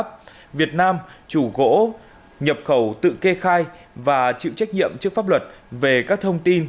việt nam chủ gỗ nhập khẩu tự kê khai và chịu trách nhiệm trước pháp luật về các thông tin